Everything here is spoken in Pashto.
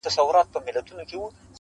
له حملو د غلیمانو له ستمه-